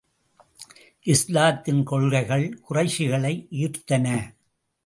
இஸ்லாத்தின் கொள்கைகள் குறைஷிகளை ஈர்த்தன.